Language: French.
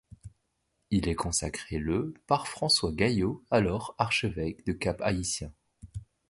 Il est consacré le par François Gayot, alors archevêque de Cap-Haïtien.